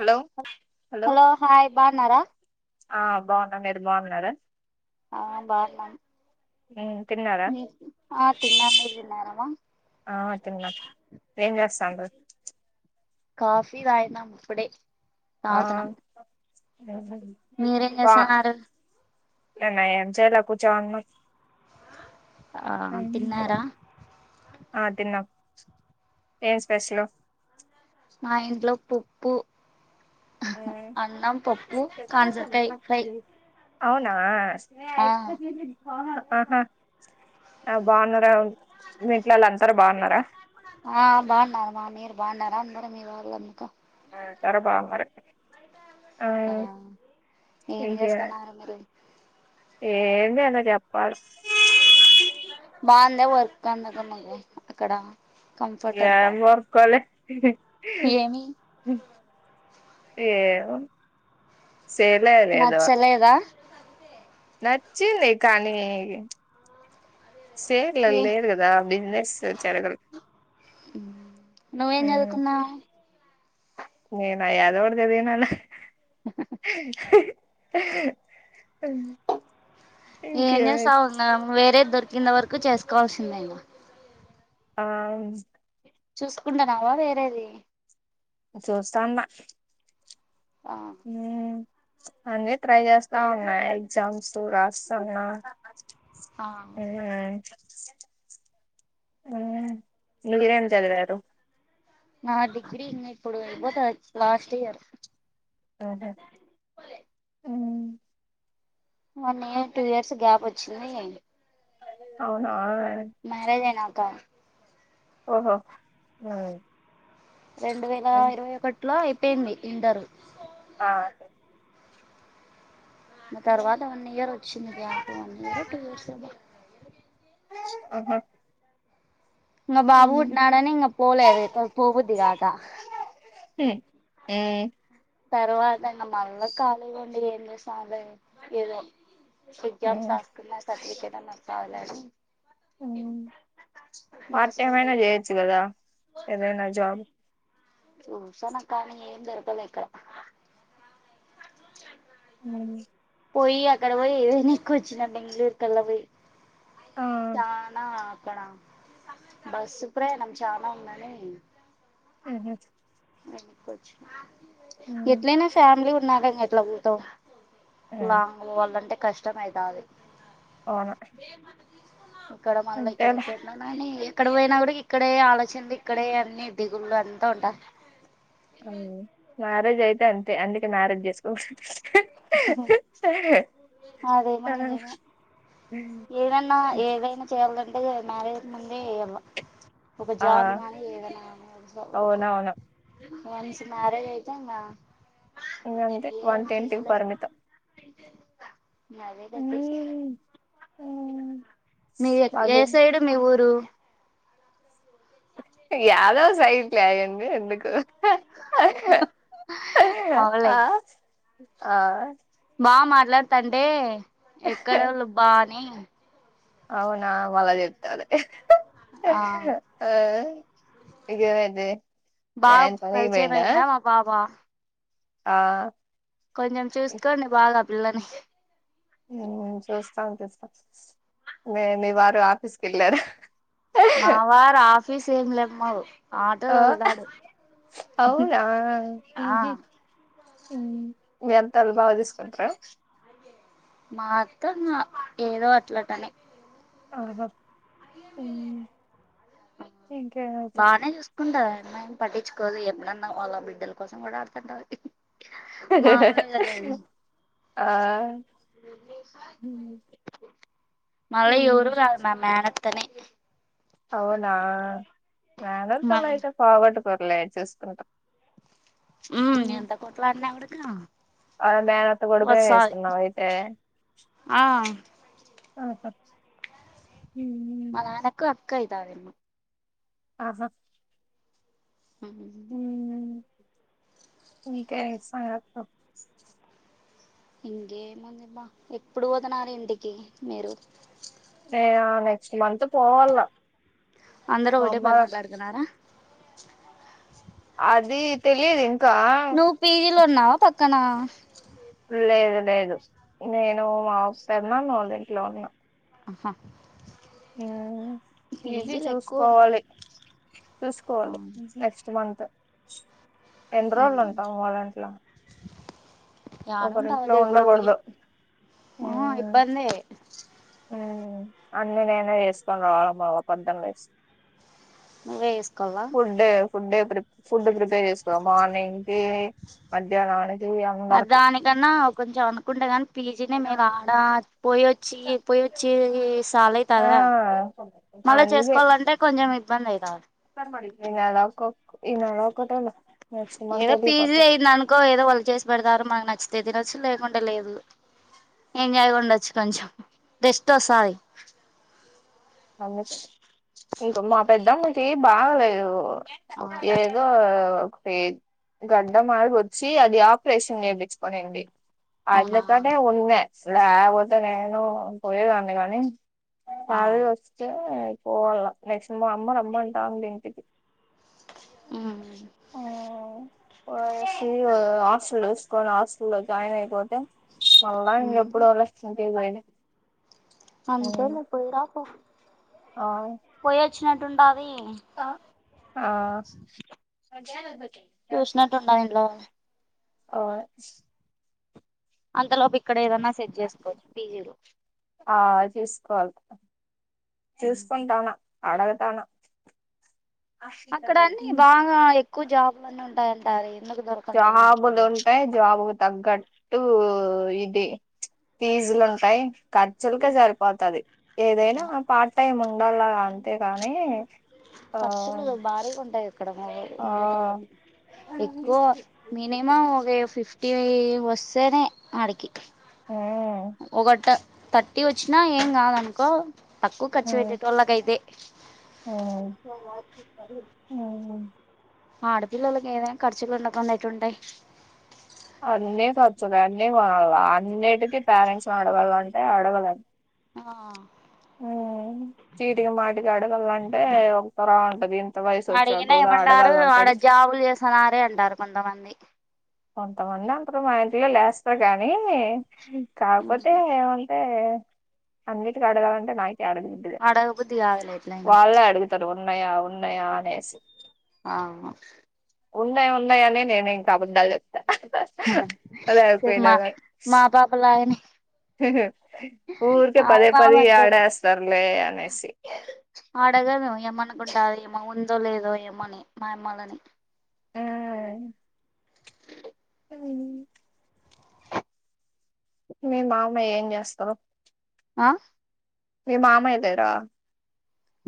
Hello. Hello hi బాన్నారా. ఆ బాన్న మీరు బాన్నారా. ఆ బాగున్నాం మ్మ్ తిన్నారా ఆ తిన్నా మీర్ తిన్నారమ్మ. ఆ తిన్న ఏంజేస్తతంర్రు. కాఫీ దాగినం ఇప్పుడే. తాగుతున్నాం ఆ. మీరేం జేసన్నారు. అంటే నా ఏం చేలే కూచ్చో నున్నం. ఆ తిన్నారా ఆ తిన్న ఏం స్పెషలు. మా ఇంట్లో పుప్పు. ఉమ్, అన్నం పప్పు కాజరకాయ్ ఫ్రై. అవునా. ఆ. ఆహా అ బాగున్నారో మీ ఇంట్లోలందరూ బాగున్నార. ఆ బాన్నారు మా మీరు బాన్నారా అందరూ మీ వాళ్ళంతా. సరే పా మరి. ఆ ఏం ఇంకే జేస్తన్నారు మీరు. ఏం లే ఎమన చెప్పాలే. బాగుంద వర్క్ అన్న కన్నకు అక్కడ. కంఫర్ట్ యామ్ వర్కో లే. యేమి. ఏవో సెలే లేదు. లేదా. నచ్చింది కానీ. సేర్లలో ఏ లేరు కడు బిజినెస్ జరగదు. నివ్వేం జదువుకున్నావ్ దుకున్నావ్. నేను యాధోటి చదివినలే. అ ఏం జేస్త ఉన్నాం వేరే దొరికింద వరకు చేసుకోవాల్సిందే. ఆవూన్. చూసుకుంటా రాదా వేరేది. చూస్తాన్న. ఆ. ఉ అన్నీ ట్రై యేస్తా ఉన్నా ఎగ్జామ్స్ రాస్తున్న. ఆ ఆవునా. ఊ నువ్వేం చదివారు. నా డిగ్రీ ఇంగ ఇప్పుడు అయిపోతది లాస్ట్ ఇయర్. అహ. One year two years gap పోచ్చింది ఇ. అవునా ఏ. మ్యారేజ్ అయినాక. ఓహో ఆ. రెండు వేల ఇరవై ఒకట్లో అయిపోయింది ఇంటరు. ఆ తర్వాత వన్ ఇయర్ వచ్చింది గ్యాప్ వన్ ఇయరో టూ ఇయర్సో బా అహా ఇంగ బాబు పుట్నాడని ఇంగ పోలే ఎక్కువ పోబుద్ధి కాక ఏ తర్వాత ఇంగ మళ్ళా ఖాళీ ఉండి ఏం చేసాంలే ఏదో ఉమ్ ఎగ్జామ్స్ రాసుకున్న సర్టిఫికేట్ అన్న వస్తదిలే అని హు మా పార్ట్ టైమ్ హస్బెండ్ అయినా చేయొచ్చు కదా ఏదైనా జాబ్ చూసానక్కా కానీ ఏం దొరకలే ఇక్కడ ఉహ్ పోయి అక్కడ పోయి ఏవైనా ఎక్కుకోచ్చినా బెంగళూరు కల్లా పోయి ఆ చాన అక్కడ బస్సు ప్రయాణం చానా ఉందని ఉహు ఎఎట్లయినా ఫ్యామిలీ ఉన్నాక ఇంగ ఎట్లా పోతావు లాంగ్ పోవాళ్ళంటే కష్టమయితది అవును ఇక్కడ మళ్ళా అంతేలే ఇక్కడైతే అని ఎక్కడ పోయినా కూడా ఇక్కడే ఆలోచనలు ఇక్కడే అన్ని దిగుళ్ళ అంతా ఉంటారు హు మ్యారేజ్ అయితే అంతే అందుకే మ్యారేజ్ చేసుకోద్దు ఆ ఏదైన్న ఏదైనా చేయాలంటే మ్యారేజ్కు ముంది చెయ్యలా ఒక ఆ జాబ్ గానీ ఏదైనా గానీ అవునవును వన్స్ మ్యారేజ్ అయితే ఇంగ ఇంగ అంతే వంటింటికి పరిమితం [unintelligible] మిది ఏ అదే సైడు మీ ఊరు యాదో సైడ్లే ఆయన్ని ఎందుకు అవులే ఆ ఆ బా మాట్లాడుతాంటే ఎక్కడోళ్ళు బా అని అవునా వాళ్ళ చెప్తాలే ఆ ఆ ఇగమిది బా పరిచయంమయిందా మా బాబా ఆ కొంచెం చూసుకోండి బాగా పిల్లని హు చూస్తాం చూస్తాం నే మీ వారు ఆఫీస్కి కేళ్ళారా మా వారు ఆఫీస్ ఏమి లేమ్మరు ఆ ఆహ్ అవునా ఇంకి ఆ మీ అత్తల్లు బాగా చూసుకుంటారా మా అత్త ఏదో అట్లాటని ఆహా హు ఇంకా ఏ బానే చూసుకుంటాది ఆయమ్మ పట్టించుకోదు ఎప్పుడన్నా వాళ్ళ బిడ్డల కోసం కూడా ఆడుతుంటా కాబట్టి మామూలే కదా అది ఆ మళ్ళ ఉమ్. ఎవరు కాదు మా మేనత్త నే అవునా మా మేనత్తలు అయితే పోగొట్టుకోర్లే చూసుకుంటాం ఉ ఎంతా కోట్లాడిన కూడా కా అ మేనత్త కొడుకునే చేస్తున్నావా అయితే ఆ ఆహా ఉ నాకు అక్కయితాది ఆహా ఉ ఉమ్ ఇంకా ఏం సంగతులు ఇంకేముందిమ్మా ఎప్పుడు పోతున్నారు ఇంటికి మీరు మేము నెక్స్ట్ మంత్ పోవాల అందరుూ మా ఒకటే అమ్మ పరు మాట్లాడుకున్నారా అది తెలిదు ఇంకా నువ్వు పీజీలో ఉన్నావా పక్కన లేదు లేదు నేను మా వస్తన్నా నూ ద ఇంట్లో ఉన్నా ఆహా హ్మ్. పీజీ పీజీలు ఎక్కువ ఉన్నాయి చూసుకోవాలి చూసుకోవాలి నెక్స్ట్ మంత్ ఎన్ని రోజులు ఉమ్ ఉంటాం వాళంట్లో రాను ఉంటావుదే ఇప్పుడు ఉండకూడదు. పో ఆ ఇబ్బంది ఉమ్ అన్ని నేనే వేసుకొని రావాల బబ పద్ద్దలు వేసు నువ్వే ఏసుకోవాలా ఫుడ్ ఏ ఫుడ్ ఏ ప్రి ఫుడ్ ప్రిపేర్ చేస్ కు మార్నికి మధ్యాహ్నానికి అందరకు కన్నా కొంచెం అనుకుంటే నీ పీజీ న మీ అ పోయి యోచ్చి పోయి యోచ్చి సాల ఆ కదా మళ్ళా చేసుకోవాలంటే కొంచెం ఇబ్బంది అయితాంది ార్ మ ఇ నళక ఇ నళ ఆకతల ఏదో పీజీ అయి్యంది అనుకో ఏదో వాళ్ళు చేసి పెడతారో మకు నచ్చితే తినొచ్చు లేకుంటడా లేదు ఎంజాయ్ ఉండొచ్చు కొంచెం రెస్ట్ అస్తాది అందుకే ఇంకో మా పెద్దమ్మకి బాగలేదు ఆ ఏ దో ఒకటి గడ్డ మార్గొచ్చి అది ఆపరేషన్ చేపించుకొనింది అవునా అదిలతోటే ఉండే లేపోతే నేను పోయేదాన్ని కానీ ఆ హాలిడే వస్తే పోవాల నెక్సిన మా అమ్మ రమ్మంటాండి ఇంటికి ఉ ఆ పోయాయి హాస్టల్ చసుకోని హాస్టల్ లో జాయిన్ అయిపోతే మళ్ళ ఇంగా ఉమ్ ఎప్పుడోలే ఇంటికి పోయేది అంతేలే పోయి రాపో ఆ పోయి అచ్చినట్టుంటది ఆ చూసినట్ ఉంటాది ఇంట్లో వాళ్ళని ఆ అంతలోపు ఇక్కడ ఏదన్నా సెట్ చేసుకోవచ్చు పీజీలో ఆ చూసుకోవాల చూసుకుంటాను అడగుతానా అక్కడ అన్నీ బాగా ఎక్కువ జాబలు అన్నిీ ఉంటాయింటారు ఎందుకు దొరకు జాబులు ఉంటాయి జాబుకు తగ్గట్టు ఇది ఫీజులు ఉంటాయి ఖర్చులకే సరిపోతది ఏదైనా పార్ట్ టైమ్ ఉండలాగా అంతే కాని ఖర్చులు భారీగా ఉంటయి ఇక్కడ మరి ఉండేటోళ్ళకి ఉమ్, ఎక్కువ మినిమం ఒక ఫిఫ్టీ వస్తేనే ఆడికి ఒక ట థర్టీ వచ్చినా ఏం కాదనుకో తక్కువ కర్చు పెట్టేటోల్లకైతే ఆ ఆడపిల్లలకి ఏదైనా ఖర్చులు ఉండకుండ ఎట్లుంటాయ్ అన్నీ ఖర్చులే అన్నీ కొనాలా అన్నిటికీ పేరెంట్స్ని అడగాలంటే అడగలేం ఆ ఆ చీటికి మాటికి ఆడగళ్లంటే ఒకలా ఉంటది ఇంత వయసు వచ్చాక కూడా ఆడగలంట అ న్నారే అంటారు కొంతమంది కొంతమంది ఉంటరు మా ఇంటిలో లేస్తారు గాని కాకపోతే ఏమంటే అన్నింటికి అడగాలంటే నాకే అడగబుద్ధి కాదు అడగబుద్ధికాదులే ఎట్ల వాళ్ళే అడుగుతరు ఉన్నాయా ఉన్నాయా అనే అవును ఉన్నయి ఉన్నయి అని నేను ఇంకా అబద్ధాలు చెప్తా అదే సేమ్ అయిపోయినా మా కానీ మా పాపలాగనే ఊరికే ఆ పదే పాప పదే అంతే ఏడేస్తారులే అనేసి అడగదు ఏమనుకుంటారు ఏమో ఉందో లేదో ఏమని మా అమ్మలని ఆ, ఉ మీ మామాయ్య ఏం చేస్తారు ఆ మీ మామయ్యగారా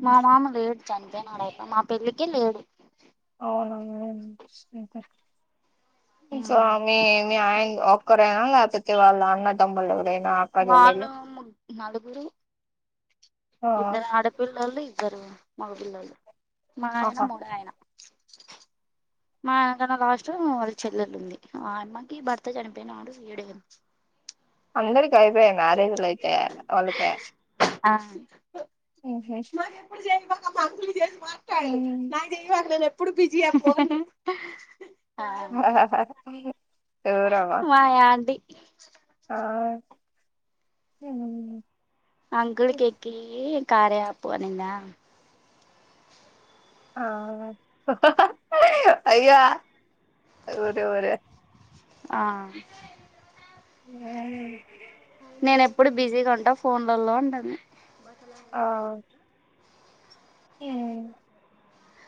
మా మామ లేడు చనిపోయినాడైతే మా పెళ్ళకి లేడు అవునా మ్ ఉహు మీ ఆయ ఒక్క ఒక్కడేనా లేపోతే వాళ్ళ అన్నతమ్ములు ఎవరైనా అక్క చెల్లెలు వాళ్ళు ముగ్ నలుగురు ఆ ఇద్దరు ఆడు పిల్లలు ఇద్దరు మగ పిల్లలు మా ఆయన ఆహా మూడో ఆయన [inaudible] మా ఆయనకన్న లాస్ట్ వాళ్ళ చెల్లెల్లు ఉంది ఆ అమ్మకి భర్త చనిపోయినాడు ఈడే ఉంది అందరికి అయిపోయాయి మ్యారేజ్లు ఐతే వాళ్ళకి ఆ ఉహు మాకు ఎప్పుడు చే ఒక మంత్రులు చేసి మాట్లాాడు నా వాళ్ళ ఎప్పుడు బిజీ అమ్పోను ఆ మా ఆంటీ ఆ అంకుల్కి ఎక్కియ్యి కార్య యాపు అనిందా ఆ అయ్యా ఒరేయ్ ఒరేయ్ ఆ ఆ నేను ఎప్పుడు బిజీగా ఉంటా ఫోన్లలో అన్నది ఆ ఊ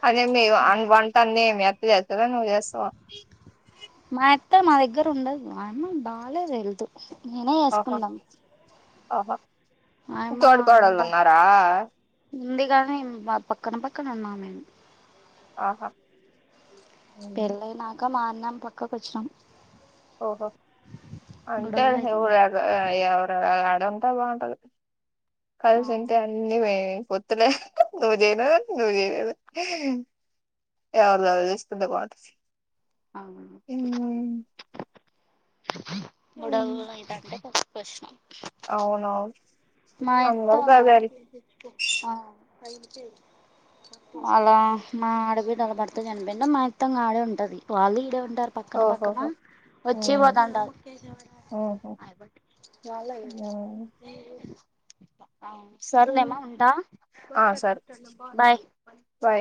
అదే మీరు అన్వాంట ఏం మీ అత్త ఏస్తద నువ్ చేస్తవ మా ఇత్త మా దగ్గర ఉండదు మా అమ్మ బాగాలేదు హెల్తు అహ హాహా ఆయమ్మ తోడు కోడలు ఆడుంటా ఉన్నారా ఉంది గాని మా పక్కన పక్కన ఉన్నాం మేము ఆహా ఉమ్, పెళ్లయి నాక మాన్నాం పక్కకు వచ్చినం ఓహో అంటే అయితాంటై ఎవడు ఆడు ఆ ఎవరో అడంతా బాగుంట ఆ కలిసింత అ అన్ని పోయినయ్ పొతులే నూ చేయనా నూ చేదు ఎవర్ దాలు చూస్కుంటే బావుంటది అవును ఊ మూడవు ఉమ్. అయిదంటే కొశను అవునవును మా యత్త అందరు గదే ఆ [inaudible] అళ్లా మా ఆడ బిడ్డల వాళ్ళ భర్త చనిపోయిండు మా అత్తమ్మ ఆడే ఉంటది వాళ్ళు ఇక్కడే ఉంటారు పక్కన పక్కన ఓహోహో వచ్చి పోదంటరు ఆహా వాళ్ళయివి ఆ అవును సర్లేమా ఉంటా ఆ సరే బయ్ బాయ్